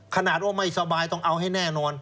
ขนาดว่าไม่สบายต้องเอาให้แน่นอน